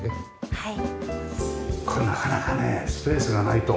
はい。